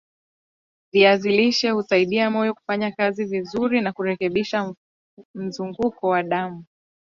viazi lishe husaidia moyo kufanyakazi vizuri na kurekebisha mzunguko wa damu